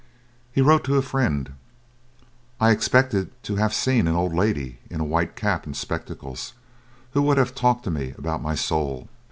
He wrote to a friend: "I expected to have seen an old lady in a white cap and spectacles, who would have talked to me about my soul.